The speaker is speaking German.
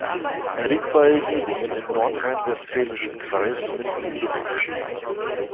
Er liegt bei Dielingen im nordrhein-westfälischen Kreis Minden-Lübbecke.